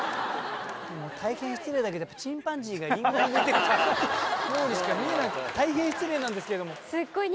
大変失礼だけどチンパンジーがリンゴをむいてる時にしか見えない大変失礼なんですけれども。